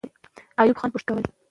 ایوب خان پوښتنې کولې.